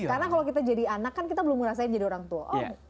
karena kalau kita jadi anak kan kita belum ngerasain jadi orang tua